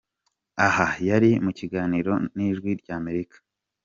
Aha yari mu kiganiro na Ijwi ry’Amerika.